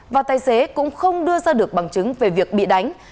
và tài xế cũng không đưa ra được bằng chứng về việc bị đánh